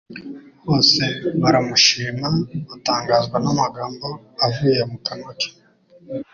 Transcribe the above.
« Bose baramushima batangazwa n'amagambo avuye mu kanwa ke. »